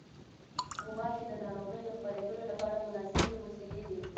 غوماشې د ناروغیو خپرېدلو لپاره مناسبې وسیلې دي.